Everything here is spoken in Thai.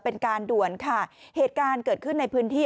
เป็นการด่วนค่ะเหตุการณ์เกิดขึ้นในพื้นที่